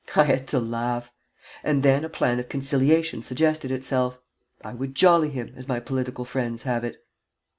I had to laugh; and then a plan of conciliation suggested itself. I would jolly him, as my political friends have it.